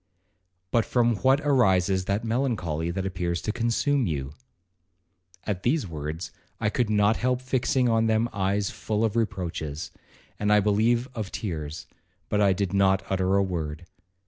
But from what arises that melancholy that appears to consume you?' At these words I could not help fixing on them eyes full of reproaches, and I believe of tears,—but I did not utter a word.